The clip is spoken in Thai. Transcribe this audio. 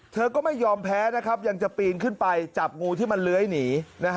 เธอก็ไม่ยอมแพ้นะครับยังจะปีนขึ้นไปจับงูที่มันเลื้อยหนี